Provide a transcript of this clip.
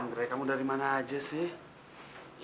kamu dari mana aja sih